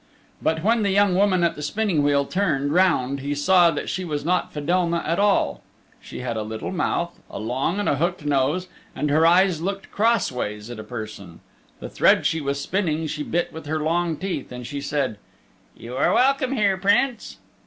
But when the young woman at the spinning wheel turned round he saw that she was not Fedelma at all. She had a little mouth, a long and a hooked nose, and her eyes looked cross ways at a person. The thread she was spinning she bit with her long teeth, and she said, "You are welcome here, Prince."